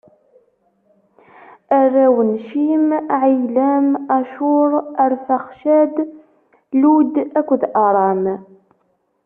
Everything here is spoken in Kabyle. Arraw n Cim: Ɛiylam, Acur, Arfaxcad, Lud akked Aram.